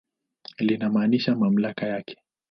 Linamaanisha mamlaka yake.